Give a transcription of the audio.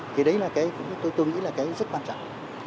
thì đấy là cái tôi nghĩ là cái rất quan trọng